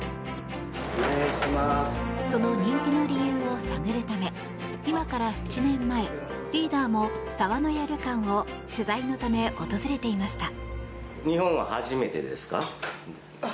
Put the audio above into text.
その人気の理由を探るため今から７年前、リーダーも澤の屋旅館を取材のため訪れていました。